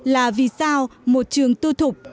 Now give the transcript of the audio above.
là vì sao một trường tư thục